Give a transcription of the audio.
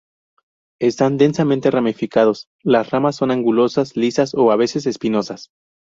Están densamente ramificados; las ramas son angulosas, lisas o a veces espinosas.